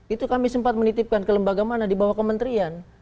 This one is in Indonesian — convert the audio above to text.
itu kami sempat menitipkan ke lembaga mana di bawah kementerian